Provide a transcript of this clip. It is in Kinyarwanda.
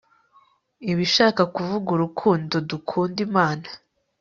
Iba ishaka kuvuga urukundo dukunda Imana